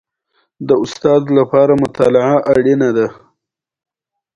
دا د کښتۍ په پای کې کښېناستله.